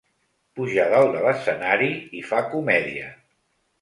Puja dalt de l'escenari i fa comèdia.